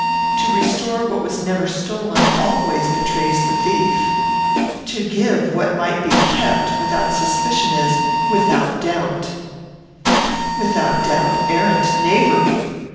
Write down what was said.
To restore what was never stolen always betrays the thief. To give what might be kept without suspicion is, without doubt, arrant knavery.